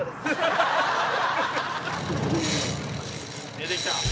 出てきた！